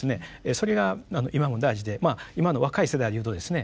それが今も大事でまあ今の若い世代で言うとですね